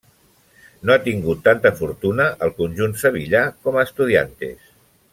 No ha tingut tanta fortuna al conjunt sevillà com a Estudiantes.